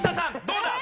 どうだ？